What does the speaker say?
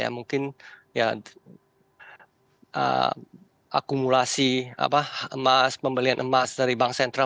mungkin ya akumulasi emas pembelian emas dari bank sentral